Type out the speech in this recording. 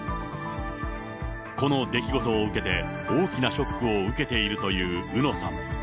この出来事を受けて、大きなショックを受けているといううのさん。